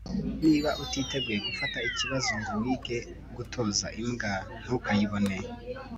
Niba utiteguye gufata ikibazo ngo wige gutoza imbwa ntukayibone